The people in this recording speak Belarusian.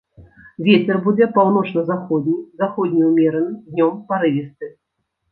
Вецер будзе паўночна-заходні, заходні ўмераны, днём парывісты.